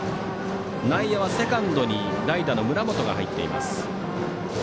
内野はセカンドに代打の村本が入っています。